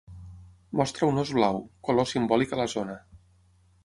Mostra un ós blau, color simbòlic a la zona.